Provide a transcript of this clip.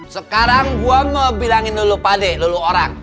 sekarang gue mau bilangin dulu pak deh dulu orang